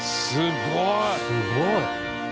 すごい。